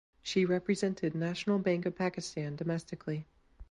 She represented National Bank of Pakistan domestically.